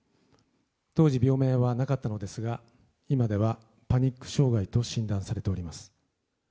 当時病名はなかったのですが、今ではパニック障害と診断されております。